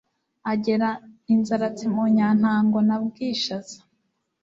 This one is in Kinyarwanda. agera I Nzaratsi mu Nyantango na Bwishaza